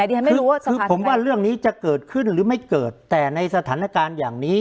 ไม่รู้ว่าคือผมว่าเรื่องนี้จะเกิดขึ้นหรือไม่เกิดแต่ในสถานการณ์อย่างนี้